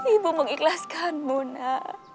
ibu mengikhlaskanmu na